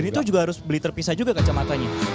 dan itu juga harus beli terpisah juga kacamatanya